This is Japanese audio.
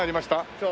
そう。